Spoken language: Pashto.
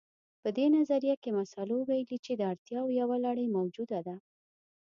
په دې نظريه کې مسلو ويلي چې د اړتياوو يوه لړۍ موجوده ده.